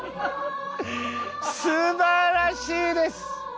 素晴らしいです！